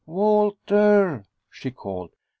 "Walter!" she called.